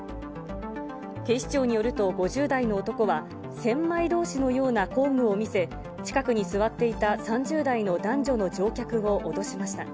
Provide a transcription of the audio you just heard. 警視庁によると、５０代の男は千枚通しのような工具を見せ、近くに座っていた３０代の男女の乗客を脅しました。